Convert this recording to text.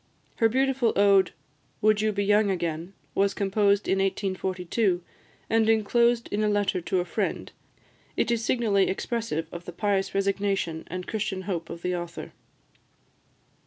Her beautiful ode, "Would you be young again?" was composed in 1842, and enclosed in a letter to a friend; it is signally expressive of the pious resignation and Christian hope of the author.